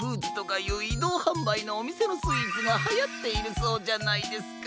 いどうはんばいのおみせのスイーツがはやっているそうじゃないですか。